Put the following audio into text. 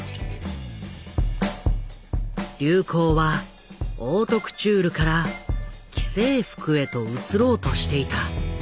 流行はオートクチュールから既製服へと移ろうとしていた。